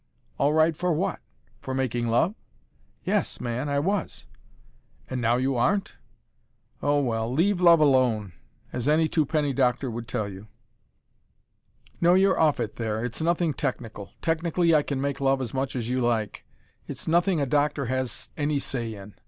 "All right for what? for making love?" "Yes, man, I was." "And now you aren't? Oh, well, leave love alone, as any twopenny doctor would tell you." "No, you're off it there. It's nothing technical. Technically I can make love as much as you like. It's nothing a doctor has any say in.